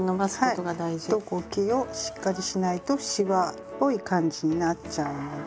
糸こきをしっかりしないとシワっぽい感じになっちゃうので。